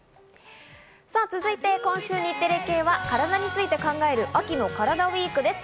続いて今週、日テレ系は体について考える、秋のカラダＷＥＥＫです。